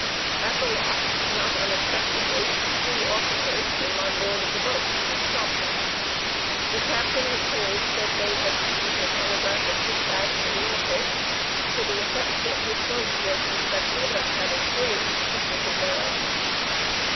At the lock not unexpectedly three officers came on board of the boat and stopped her. The Captain was told that they had received a telegraphic dispatch from Norfolk to the effect that his boat was suspected of having slaves secreted thereon.